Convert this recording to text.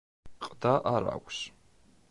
ყდა არ აქვს.